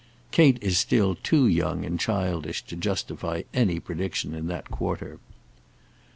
Kate is still too young and childish to justify any prediction in that quarter.